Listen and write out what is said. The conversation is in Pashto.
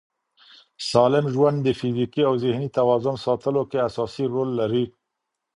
سالم ژوند د فزیکي او ذهني توازن ساتلو کې اساسي رول لري.